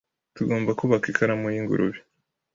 Tugomba kubaka ikaramu y'ingurube.